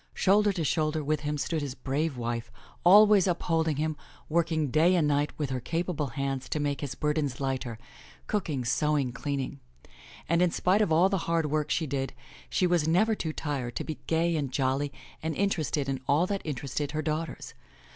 Shoulder to shoulder with him stood his brave wife, always upholding him, working day and night with her capable hands to make his burdens lighter, cooking, sewing, cleaning. And in spite of all the hard work she did, she was never too tired to be gay and jolly and interested in all that interested her daughters.